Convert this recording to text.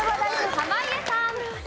濱家さん。